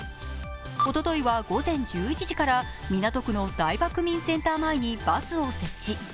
おとといは午前１１時から港区の台場区民センター前にバスを設置。